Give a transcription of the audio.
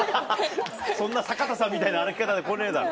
そんな坂田さんみたいな歩き方で来ねえだろ。